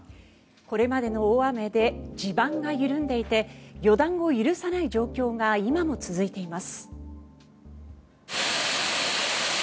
これまでの大雨で地盤が緩んでいて予断を許さない状況が今も続いています。